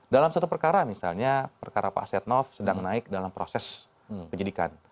dalam satu perkara misalnya perkara pak setnov sedang naik dalam proses penyidikan